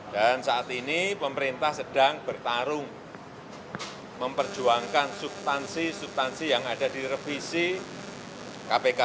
dan saat ini pemerintah sedang bertarung memperjuangkan substansi substansi yang ada di revisi kpk